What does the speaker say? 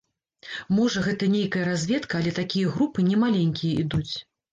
Можа, гэта нейкая разведка, але такія групы не маленькія ідуць.